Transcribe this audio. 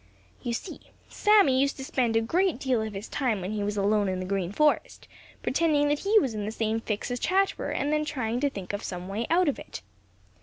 You see, Sammy used to spend a great deal of his time when he was alone in the Green Forest pretending that he was in the same fix as Chatterer and then trying to think of some way out of it.